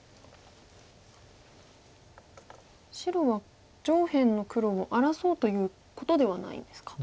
白は上辺の黒を荒らそうということではないんですか。